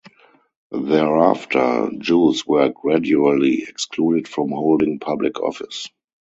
Thereafter, Jews were gradually excluded from holding public office.